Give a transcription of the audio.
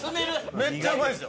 めっちゃうまいですよ！